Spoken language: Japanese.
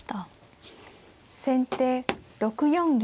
先手６四銀。